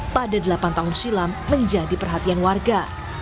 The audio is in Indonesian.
pada delapan tahun silam menjadi perhatian warga